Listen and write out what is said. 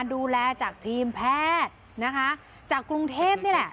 ดูแลจากทีมแพทย์นะคะจากกรุงเทพนี่แหละ